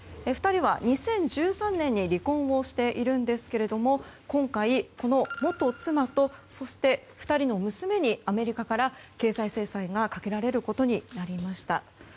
２人は２０１３年に離婚をしているんですが今回この元妻とそして２人の娘にアメリカから経済制裁がかけられることになりました。